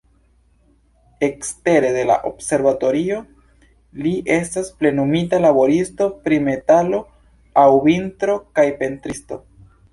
Ekstere de la observatorio, li estas plenumita laboristo pri metalo aŭ vitro kaj pentristo.